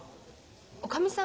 おかみさん